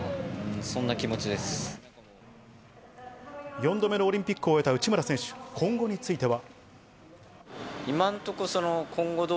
４度目のオリンピックを終えた内村選手、今後については。